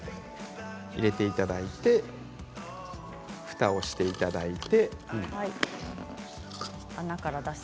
入れていただいてふたをしていただいて。